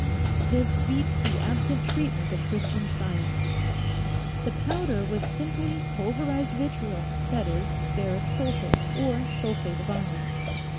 This beats the absent treatment of Christian Science ! The powder was simply pulverized vitriol, that is, ferric sulphate, or sulphate of iron.